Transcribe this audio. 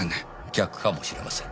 逆かもしれません。